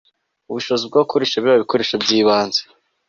ubushobozi bw'abakoresha biriya bikoresho by'ibanze